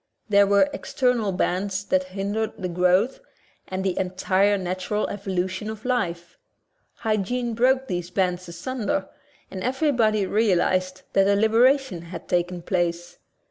There were external bands that hindered the growth and the entire natural evolution of life. Hygiene broke these bands asunder and everybody realized that a libera tion had taken place.